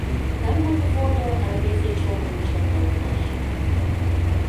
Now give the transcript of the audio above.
Тымык водо рвезе чоным чыгылтыш.